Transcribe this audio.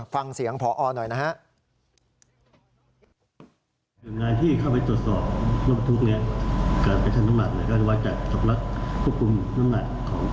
ฟังเสียงพอหน่อยนะฮะ